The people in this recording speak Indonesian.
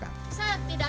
saya tidak tahu itu